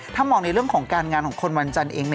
เจอกันมานานมาก